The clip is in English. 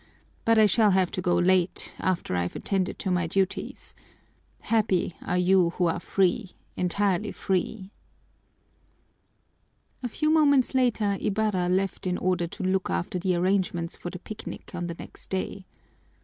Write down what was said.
But I shall have to go late, after I've attended to my duties. Happy are you who are free, entirely free." A few moments later Ibarra left in order to look after the arrangements for the picnic on the next day.